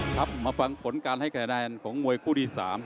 ครับมาฟังผลการให้คะแนนของมวยคู่ที่๓